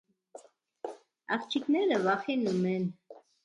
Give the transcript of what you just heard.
Աղջիկները վախենում են։